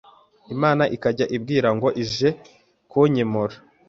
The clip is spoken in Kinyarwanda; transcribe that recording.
Imana ikajya imbwira ngo ije kunyimura